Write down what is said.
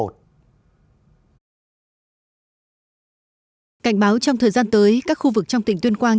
cảnh báo trong thời gian tới các khu vực trong tỉnh tuyên quang